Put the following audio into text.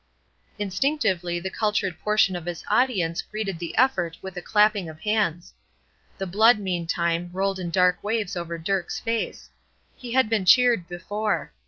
Instinctively the cultured portion of his audience greeted the effort with a clapping of hands. The blood, meantime, rolled in dark waves over Dirk's face. He had been cheered before.